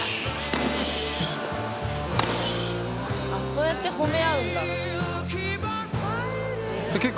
そうやって褒め合うんだ。